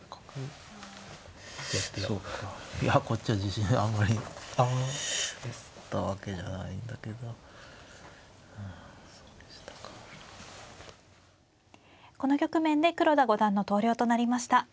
この局面で黒田五段の投了となりました。